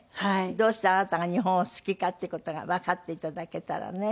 どうしてあなたが日本を好きかっていう事がわかって頂けたらね。